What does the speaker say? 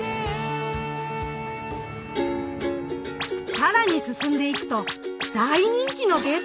更に進んでいくと大人気のデート